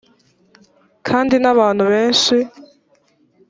kandi n abantu benshi